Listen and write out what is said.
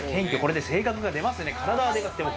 体が性格が出ますね。